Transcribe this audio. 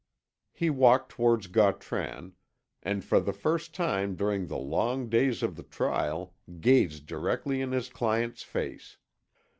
He walked towards Gautran, and for the first time during the long days of the trial gazed directly in his client's face.